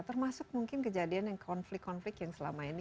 termasuk mungkin kejadian yang konflik konflik yang selama ini